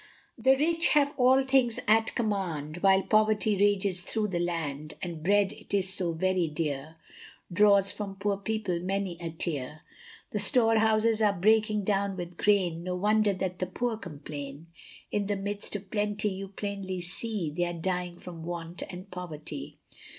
The rich have all things at command, While poverty rages through the land, And bread it is so very dear, Draws from poor people many a tear; The store houses are breaking down with grain, No wonder that the poor complain, In the midst of plenty you plainly see, They are dying from want and poverty.